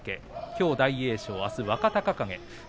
きょう大栄翔、あす若隆景。